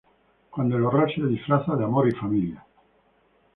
Cuando el horror se disfraza de amor y familia.